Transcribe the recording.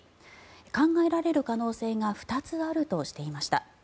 考えられる可能性が２つあるとしていました。